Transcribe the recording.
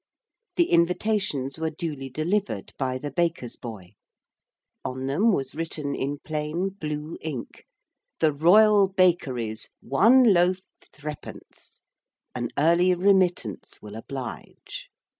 The invitations were duly delivered by the baker's boy. On them was written in plain blue ink, 'The Royal Bakeries 1 loaf 3d. An early remittance will oblige.'